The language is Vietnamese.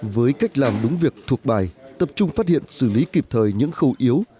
với cách làm đúng việc thuộc bài tập trung phát hiện xử lý kịp thời những khâu yếu